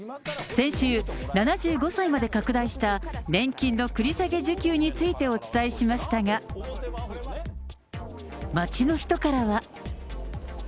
先週、７５歳まで拡大した年金の繰り下げ受給についてお伝えしましたが、街の人からは。